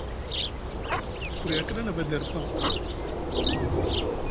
Buri a kiɗa a nava der paŋ,